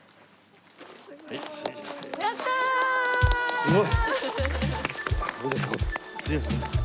すごい！